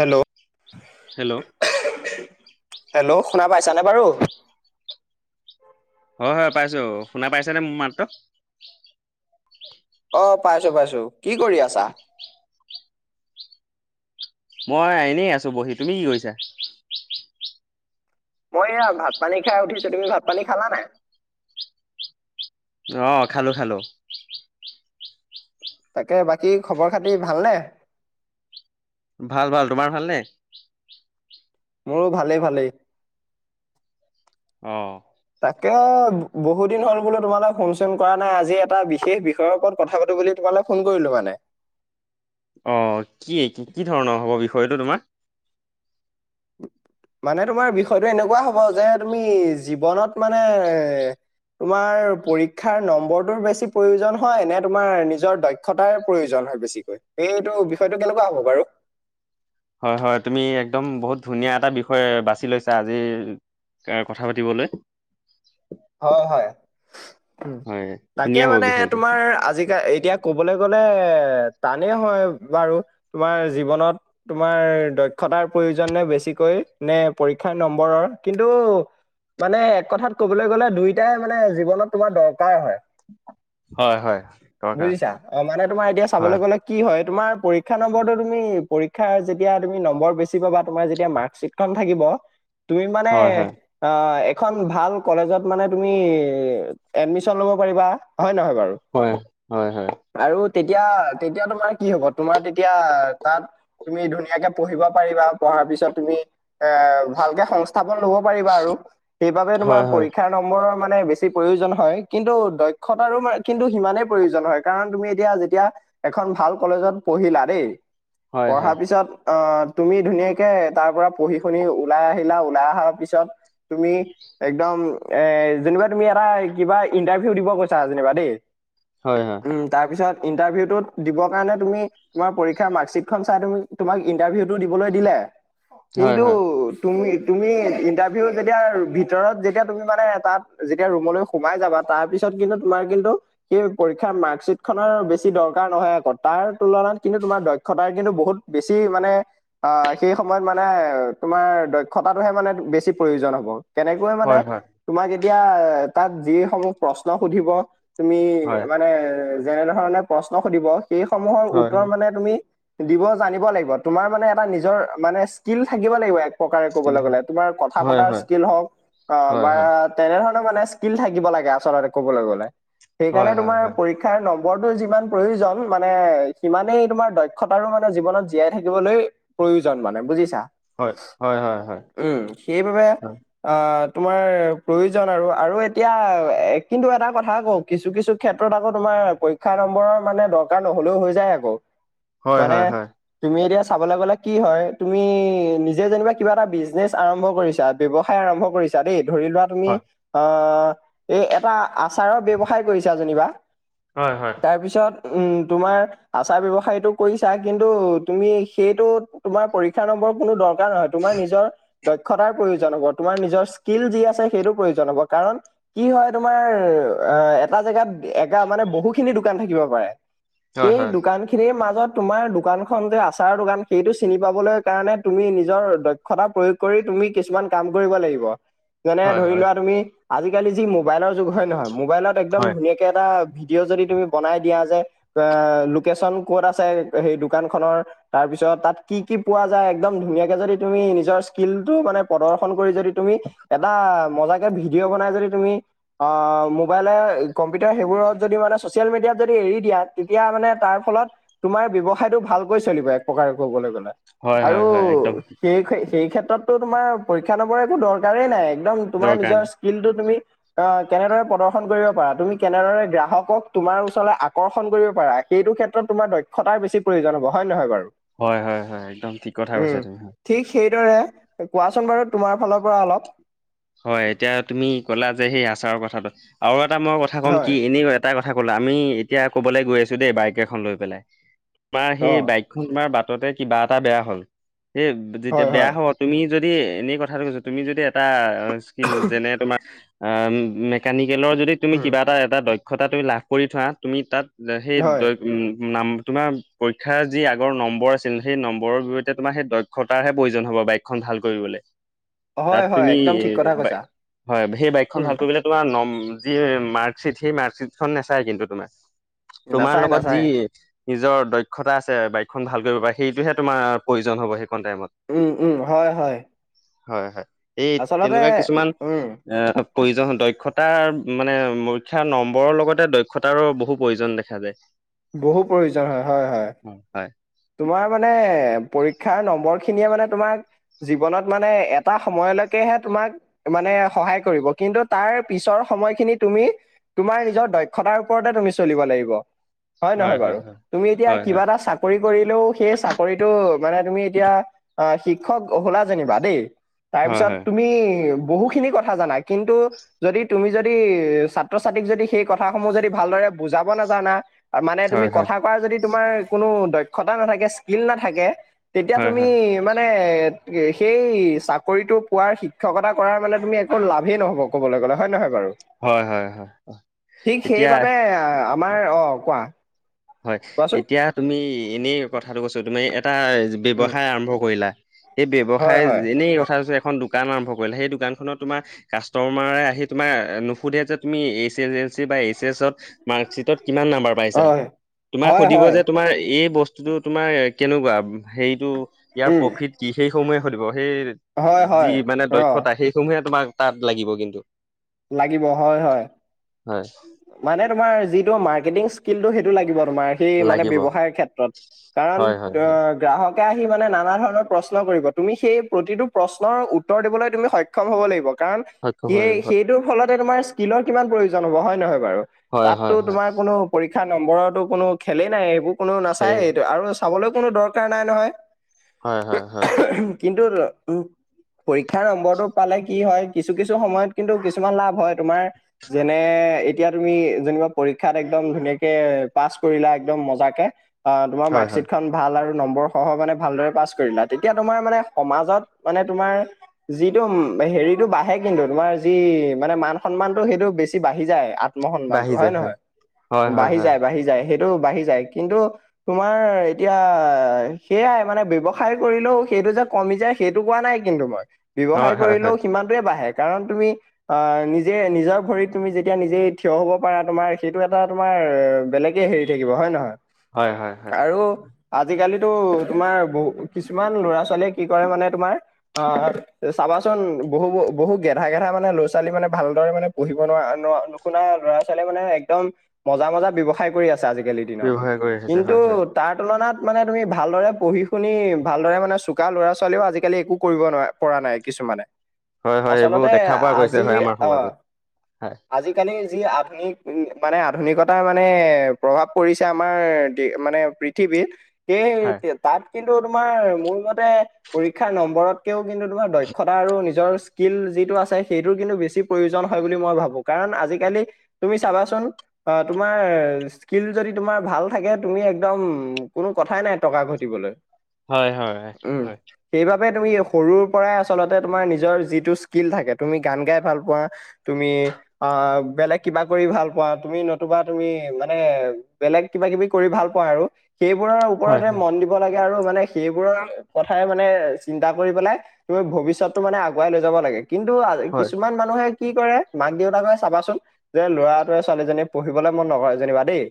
Hello hello hello শুনা পাইছানে বাৰু হয় হয় পাইছোঁ শুনা পাইছে নে মোৰ মাততো? অ পাইছোঁ পাইছোঁ। কি কৰি আছা? মই এনেই আছোঁ বহি। তুমি কি কৰিছা? মই এয়া ভাত পানী খাই উঠিছোঁ তুমি ভাত পানী খালা নাই? আহ খালোঁ খালোঁ। তাকে বাকী খবৰ খাতি ভালনে? ভাল ভাল তোমাৰ ভালনে? মোৰো ভালেই ভালেই। অ। তাকে বহু দিন হ'ল বোলোঁ তোমালোক ফোন চোন কৰা নাই আজি এটা বিশেষ বিষয়ৰ ওপৰত কথা পাতোঁ। বুলি তোমালৈ ফোন কৰিলোঁ মানে অহ কি কি ধৰণৰ হ'ব বিষয়টো তোমাৰ। মানে তোমাৰ বিষয়টো এনেকুৱা হ'ব যে তুমি জীৱনত মানে এ তোমাৰ পৰীক্ষাৰ নম্বৰটোৰ বেছি প্ৰয়োজন হয় নে তোমাৰ নিজৰ দক্ষতাৰ প্ৰয়োজন। হয় বেছিকৈ সেইটো বিষয়টো কেনেকুৱা হ'ব বাৰু? হয় হয় তুমি একদম বহুত ধুনীয়া এটা বিষয় বাছি লৈছা আজি। এ কথা পাতিবলৈ। হয় হয় উম। হয় তাকে ধুনীয়া হ'ব মানে বিষয়টো তোমাৰ আজিকাল এতিয়া ক'বলৈ গ'লে- এ টানেই হয় বাৰু তোমাৰ জীৱনত তোমাৰ দক্ষতাৰ প্ৰয়োজন নে। বেছিকৈ নে পৰীক্ষাৰ নম্বৰ কিন্তু মানে কঠা কবলে গ'লে দুয়োটাই মানে জীৱনত তোমাৰ দৰ কাৰ হয় হয় হয় দৰকাৰ বুজিছা অ মানে তোমাৰ এতিয়া হয় চাবলৈ গ'লে কি হয়? তোমাৰ পৰীক্ষা নম্বৰটো তুমি, শিক্ষাৰ যেতিয়া তুমি নম্বৰ বেচি পাবা তোমাৰ যেতিয়া মাৰ্কশ্বিট খন থাকিব। তুমি মানে হয় হয় অ এখন ভাল। কলেজত মানে তুমি এডমিচন ল'ব পাৰিবা হয় নহয়। বাৰু হয় হয় হয়। আৰু তেতিয়া তেতিয়া তোমাৰ কি হ'ব তোমাৰ তেতিয়া তাত তুমি ধুনীয়াকে পঢ়িব পাৰিবা। তাৰপিছত তুমি? এ ভালকে সংস্থাপন ল'ব পাৰিবা আৰু সেইবাবে তোমাৰ হয় হয় পৰীক্ষা নম্বৰৰ মানে বেছি প্ৰয়োজন হয় কিন্তু দক্ষতাৰো কিন্তু সিমানেই প্ৰয়োজন হয় কাৰণ তুমি এতিয়া যেতিয়া। এখন ভাল কলেজত পঢ়িলা দেই হয় হয় পঢ়াৰ পিছত। আহ তুমি ধুনীয়াকে তাৰ পৰা পঢ়ি শুনি ওলাই আহিলা ওলাই অহাৰ পিছত। তুমি এক এ যেনিবা তুমি এটা কিবা ইন্টাৰভিউ দিব গৈছা যেনিবা দেই। হয় উম তাৰপিছত। ইন্টাৰভিউ দিবৰ কাৰণে তুমি তোমাৰ পৰীক্ষাৰ মাৰ্কশিট খন চাই তুমি তোমাক ইন্টাৰভিউ টো দিবলৈ দিলে। হয় হয় কিন্তু হয় তুমি তুমি ইন্টাৰভিউ যেতিয়া ভিতৰত যে তেতিয়া তুমি মানে তাত যেতিয়া ৰুমলৈ সোমাই যাবা তাৰ পিছত কিন্তু তোমাৰ কিন্তু সেই পৰীক্ষা মাৰ্কশ্বিট- খনৰ বেছি দৰকাৰ নহয় আকৌ তাৰ তুলনাত কিন্তু তোমাৰ দক্ষতাৰ কিন্তু বহুত বেছি মানে। অ সেই সময়ত মানে তোমাৰ দক্ষতাটোহে মানে বেছি প্ৰয়োজন হ'ব। কেনেকৈ মানে হয় হয় তোমাক এতিয়া তাত যিসমূহ প্ৰশ্ন সুধিব। তুমি হয় মানে যেনে ধৰণে প্ৰশ্ন সুধিব সেইসমূহৰ হয় উত্তৰ মানে তুমি। দিব জানিব লাগিব তোমাৰ মানে এটা নিজৰ মানে স্কিল থাকিব লাগিব এক প্ৰকাৰে হয় ক'বলৈ গ'লে তোমাৰ কথা হয় হয় হয় পতাৰ স্কিল হওঁক অ হয় হয় হয় হয় বা তেনে ধৰণৰ মানে ইচকিল থাকিব লাগে আচলতে ক'বলৈ গ'লে হয় সেইকাৰণে হয় তোমাৰ হয় পৰীক্ষা নম্বৰ খবৰটো যিমান প্ৰয়োজন মানে সিমানেই তোমাৰ দক্ষতাৰো মানে জীৱনত জীয়াই থাকিবলৈ। প্ৰয়োজন মানে বুজিচা হয়, হয়, হয়, হয়, উ সেইবাবে হয়, আ তোমাৰ প্ৰয়োজন আৰু আৰু এতিয়া কিন্তু এটা কথা আ কৌ কিছু কিছু ক্ষেত্ৰত আকৌ তোমাৰ পৰীক্ষা নম্বৰৰ মানে দৰকাৰ নহ'লেও হৈ যায় আকৌ হয়, হয়, মানে হয়, হয়, তুমি এতিয়া চাবলৈ গ'লে কি হয় তুমি নিজে যেনিবা কিবা এটা বিজনেচ আৰম্ভ কৰিছা ব্যৱসায় আৰম্ভ কৰিছা ছা দেই ধৰি লোৱা তুমি হয়। অ এই এটা আচাৰৰ ব্যৱসায় কৰিছা যেনিবা হয়, হয়, হয়, তাৰপিছত। উম তোমাৰ আচাৰ ব্যয়ৱসায়টো কৰিছা কিন্তু তুমি সেইটো তোমাৰ পৰীক্ষা ন কোনো দৰকাৰ নহয় তোমাৰ নিজৰ দক্ষতাৰ প্ৰয়োজন হ'ব তোমাৰ নিজৰ ষ্টিল যি আছে সেইটো প্ৰয়োজন হব কাৰণ কি হয় তোমাৰ এটা জেগাত মানে বহুখিনি দোকান থাকিব পাৰে সেই দোকান খিনিৰ মাজত তোমাৰ দোকানখন যে আচাৰৰ দোকান সেইটো চিনি পাবলৈ কাৰণে তুমি নিজৰ দক্ষতা প্ৰয়োগ কৰি তুমি কিছুমান কাম কৰিব লাগিব। যেনে হয়, ধৰি লোৱা তুমি আজিকালি যি মোবাইলৰ যুগ হয় নহয় মোবাইলত একদম হয়, ধুনীয়াকে এটা ভিডিঅ' যদি তুমি বনাই দিয়া যে লোকেশচন ক'ত আছে সেই দোকান খনৰ তাৰছ তাৰ পিছত তাত কি কি পোৱা যায় একদম ধুনীয়াকে যদি তুমি নিজৰ স্কিল টো মানে প্ৰদৰ্শন কৰি যদি তুমি এটা মজাকে ভিডিঅ' বনাই যদি তুমি অ মোবাইলে কম্পিউটাৰ সেইবোৰত যদি ম চচিয়েল মিডিয়াত যদি এৰি দিয়া তেতিয়া মানে তাৰ ফলত তোমাৰ ব্যয়ৱসায়টো ভালকৈ চলিব এক প্ৰকাৰে ক'বলৈ গলে হয়, আৰু হয়, হয়, একদম সেই সেই ক্ষেত্ৰতটো তোমাৰ পৰীক্ষা লবৰ একো দৰকাৰেই নাই একদম তোমাৰ দৰকাৰ নিজৰ নাই। স্কিল টো তুমি অ কেনেদৰে প্ৰদৰ্শন কৰিব পাৰা তুমি কেনেদৰে গ্ৰাহকক তোমাৰ ওচৰলৈ আকৰ্ষণ কৰিব পাৰা সেইটো ক্ষেত্ৰত তোমাৰ দক্ষতাৰ বেছি প্ৰয়োজন হব হয় নহয় বু হয় হয় হয় একদম ঠিক কথা কৈছা তুমি হয় ঠিক সেইদৰে কোৱাচোন বাৰু তোমাৰ ফালৰ পৰা অলপ হয় এতিয়া তুমি ক'লা যে সেই আচাৰৰ কথাটো আৰু এটা মই কথা ক'ম হয় কি এনে এটা কথা কথা কলা আমি এতিয়া কবলৈ গৈ আছো দেই বাইক এখন লৈ পেলাই তোমাৰ অ সেই বাইকখন তোমাৰ তে কিবা এটা বেয়া হ'ল সেই যেতিয়া হয় বেয়া হয় হব তুমি যদি এনে কঠাটো কৈছোঁ তুমি যদি এটা ইচকিল যেনে তোমাৰ আ মেকানিক কেলৰ যদি তুমি উম কিবা এটা এটা দক্ষতা তুমি লাভ কৰি থোৱা তুমি তাত সেই হয় নাম তোমাৰ পৰীক্ষাৰ যি আগৰ নম্বৰ আছিল সেই নম্বৰৰ বিৰুদ্ধে তোমাৰ সেই দক্ষতাৰ হে প্ৰয়োজন হ'ব। বাইকখন ভাল কৰিবলে। হয় হয় একদম ঠিক। কথা বাই কৈছা। হয় সেই বাইকখন উম ভাল কৰিবলৈ তোমাৰ নম যি মাৰ্কশিট সেই মাৰ্কশিট খন নেচায় কিন্তু তোমাৰ তোমাৰ নাচাই লগত যি নাচাই নিজৰ দক্ষতা আছে বাইকখন ভাল কৰিব পাৰে সেইটোহে তোমাৰ প্ৰয়োজন হ'ব সেই উম উম হয় হয়। হয় হয় এই আচলতে তেনেকুৱা কিছুমান অ। উম প্ৰয়োজন দক্ষতাৰ মানে মৰীক্ষাৰ নম্বৰৰ লগতে দক্ষতাৰো বহু প্ৰয়োজন দেখা যায়। বহু প্ৰয়োজন হয় হয় হয় হয় তোমাৰ মানে পৰীক্ষাৰ নম্বৰ খিনিয়ে মানে তোমাক জীৱনত মানে এটা সময়লৈকেহে তোমাক মানে সহায় কৰিব। কিন্তু তাৰ পিছৰ সময়খিনি তুমি তোমাৰ নিজৰ দক্ষতাৰ ওপৰতে তুমি চলিব লাগিব। হয় নহয় বাৰু তুমি এতিয়া কিবা এটা চাকৰি কৰিলেও সেই চাকৰিটো মানে তুমি এতিয়া অ শিক্ষক হলা যেনিবা দেই হয় তাৰপিছত হয় তুমি বহু খিনি কথা জানা কিন্তু যদি তুমি যদি ছাত্ৰ ছাত্ৰীক যদি সেই কথাসমূহ যদি ভালদৰে বুজাব নাজানা। মানে তুমি হয় হয় কথা কোৱা যদি তোমাৰ কোনো দক্ষতা নাথাকে স্কিল নাথাকে তেতিয়া হয় তুমি হয় মানে? এ সেই চাকৰিতটো পোৱাৰ শিক্ষকতা কৰাৰ মানে তুমি একো লাভে নহ'ব ক'বলে গ'লে হয় নহয় বাৰু হয় হয় হয় হয় ঠিক এতিয়া সেইবাবে আমাৰ অ কোৱা? হয় কোৱাচোন এতিয়া তুমি এনেই কথাটো কৈছোঁ তুমি এটা উম ব্যৱসায় আৰম্ভ কৰিলা। সেই হয় ব্যৱসায় হয় এনেই কথা কৈছোঁ এখন দোকান আৰম্ভ সেই দোকানখনত তোমাৰ কাষ্টমাৰে আহি তোমাৰ নুসুধে যে তুমি চি পায় এইছ এছত মাক্সিত কিমান নাম্বাৰ পাইছা, অ' তোমাক হয় সুধিব হয় যে তোমাৰ এই এই বস্তুতটো তোমাৰ কেনেকুৱা হেৰিতটো ইয়াৰ উম প্ৰফিট কি সেইসমূহে সুধিব। সেই হয় হয় যি মানে অ' দক্ষতা সেইসমূহে তোমাক তাত লাগিব কিন্তু। লাগিব হয় হয় হয় মানে তোমাৰ যি মাৰ্কেটিং স্কিলটো সেই সেইটো লাগিব তোমাৰ সেই মানে লাগিব ব্যৱসায় ক্ষেত্ৰত কাৰণ হয় হয় অ হয় গ্ৰাহক আহি মানে নানা ধৰণৰ প্ৰশ্ন কৰিব তুমি সেই প্ৰতিটো প্ৰশ্নৰ উত্তৰ দিবলৈ তুমি সক্ষম হ'ব লাগিব। কাৰণ সক্ষম হয় সেই হয় সেইটোৰ ফলতে তোমাৰ স্কিলৰ কিমান প্ৰয়োজন হ'ব হয় নহয়। বাৰু হয় হয় তাততো হয় তোমাৰ কোনো পৰীক্ষা নম্বৰতো কোনো খেলেই নাই এইবোৰ। কোনো খেৰে নাচায় এইটো আৰু চাবলৈ কোনো দৰকাৰ নাই নহয়। হয় হয় হয়। [inaudible] পৰীক্ষাৰ নম্বৰটো পালে কি হয় কিছু কিছু সময়ত কিন্তু কিছুমান লাভ হয় তোমাৰ। যেনে, এতিয়া তুমি যেনিবা পৰীক্ষাত একদম ধুনীয়াকে পাছ কৰিলা একদম মজাকে। অ তোমাৰ হয় হয় মাৰ্কশ্বিট খন ভাল আৰু। নম্বৰ সৰহ মানে ভালদৰে পাছ কৰিলা তেতিয়া তোমাৰ মানে সমাজত মানে তোমাৰ যিটো হেৰিটো বাঢ়ে কিন্তু তোমাৰ যি মানে মান সন্মানতটো সেইটো বেছি বাঢ়ি যায়। আত্ম সন্মানটো বাঢ়ি হয় যায় নহয়, হয় হয় বাঢ়ি হয় যায়, বাঢ়ি যায় সেইটো বাঢ়ি যায় কিন্তু তোমাৰ এতিয়া সেয়াই মানে ব্যৱসায় কৰিলেও সেইটো যে কমি যায় সেইটো কোৱা নাই কিন্তু মই। হয় ব্যৱসায় হয় কৰিলেও হয় সিমানটোয়ে বাঢ়ে কাৰণ তুমি আহ নিজে নিজৰ ভৰিত, তুমি যেতিয়া নিজেই থিয় হ'ব পাৰা তোমাৰ সেইটো এটা তোমাৰ বেলেগে হেৰি থাকিব হয় নহয়। হয় হয় হয়। আৰু আজিকালিতো তোমাৰ বহু কিছুমান ল'ৰা- ছোৱালীয়ে কি কৰে মানে তোমাৰ আহ চাবাচোন বহু বহু গেধা গেধা মানে ল'ৰা- ছোৱালী মানে ভালদৰে মানে পঢ়ি নোৱাৰা ন নুশুনা ল'ৰা -ছোৱালী মানে একদম মজা মজা ব্যয়ৱসায় কৰি আছে। আজিকালিৰ দিনত, ব্যৱহাৰ কৰি আহিছে কিন্তু হয় হয় তাৰ তুলনাত- মানে তুমি ভালদৰে পঢ়ি শুনি ভালদৰে মানে চোকা ল'ৰা -ছোৱালীও আজিকালি একো কৰিব নোৱা পৰা নাই কিছুমানে। হয় হয় এইবোৰ আচলতে দেখা পোৱা গৈছে আজি হয় আমাৰ আহ সমাজত হয় আজিকালি, যি আধুনিক মানে আধুনিকতাৰ মানে প্ৰভাৱ পৰিছে আমাৰ মানে পৃথিৱীত হে হয় এতিয়া তাত কিন্তু তোমাৰ মোৰ মতে পৰীক্ষাৰ নম্বৰতকেও কিন্তু তোমাৰ দক্ষতা আৰু নিজৰ স্কিল। যিটো আছে সেইটোৰ কিন্তু বেছি প্ৰয়োজন হয় বুলি মই ভাবোঁ। ভু কাৰণ আজিকালি তুমি চাবাচোন অ তোমাৰ স্কিল যদি তোমাৰ ভাল থাকে তু তুমি একদম কোনো কথাই নাই টকা ঘটিবলৈ। হয় হয়। এপে তুমি সৰুৰ পৰাই আচলতে তোমাৰ নিজৰ যিটো স্কিল থাকে তুমি গান গাই ভাল পোৱা তুমি অ বেলেগ কিবা কৰি ভাল পোৱা তুমি নতুবা তুমি মানে বেলেগ কিবা কিবি কৰি ভাল, আৰু সেইবোৰৰ হয় ওপৰতে মন দিব লাগে। আৰু মানে সেইবোৰৰ কথাই মানে চিন্তা কৰি পেলাই তুমি ভৱিষ্যতটো মানে আগুৱাই লৈ যাব লাগে। কিন্তু হয় কিছুমান মানুহে কি কৰে মাক দেউত চাবাচোন যে ল'ৰাটোৱে ছোৱালীজনী পঢ়িবলৈ মন নকৰে যেনিবা। দেই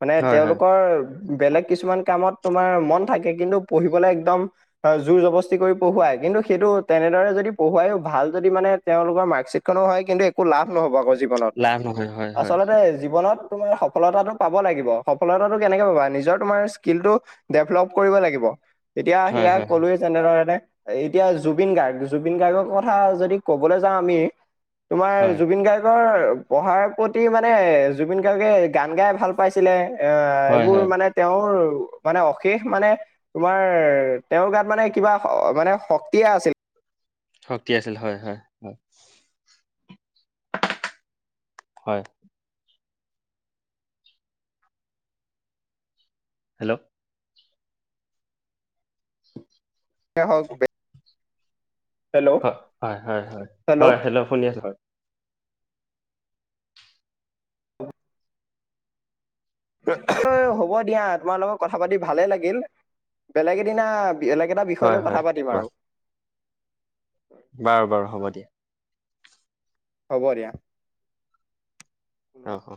মানে হয় হয় তেওঁলোকৰ বেলেগ কিছুমান কামত তোমাৰ মন থাকে কিন্তু পঢ়িবলে একদম জোৰ জবস্তি কৰি পঢ়োৱাই। কিন্তু সেইটো তেনেদৰে যদি পঢ়োৱাইও ভাল যদি মানে তেওঁলোকৰ মাৰ্কশ্বিট খনো হয় কিন্তু একো লাভ নহ'ব আকৌ জীৱনত লাভ নহয় হয় হয় আচলতে জীৱনত তোমাৰ সফলতাটো পাব লাগিব সফলতাটো কেনেকে পাবা নিজৰ তোমাৰ স্কিলটো ডেভলপ কৰিব লাগিব। তেতিয়া হয় সেয়া হয় ক'লোৱেই যেনেধৰনে। এতিয়া জুবিন গাৰ্গ জুবিন গাৰ্গৰ কথা যদি কবলৈ যাওঁ আমি তোমাৰ হয় ৰ পঢ়াৰ প্ৰতি মানে জুবিন গাৰ্গে গান গাই ভাল পাইছিলে, এ হয় এইবোৰ হয় মানে তেওঁৰ, মানে অশেষ মানে তোমাৰ তেওঁৰ গাত মানে কিবা মানে শক্তিয়ে আছিল। শক্তি আছিল হয় হয় হয়। হয়। হেল্ল'। তে হওক গে। হয় হয় হয় হয় হয় হেল্ল' শুনি আছো হয়। [inaudible] হ'ব দিয়া তোমাৰ লগত কথা পাতি ভালেই লাগিল বেলেগ এদিনা বেলেগ এটা বিষয় হয় লৈ হয় কথা পাতিম বাৰু আৰু। বাৰু বাৰু হ'ব দিয়া। হ'ব দিয়া। অ অ